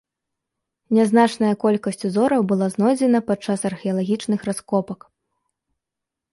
Нязначная колькасць узораў была знойдзена падчас археалагічных раскопак.